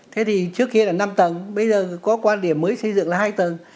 thế thì trước kia là năm tầng bây giờ có quan điểm mới xây dựng là hai tầng